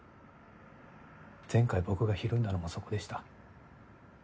前回僕がひるんだのもそこでした。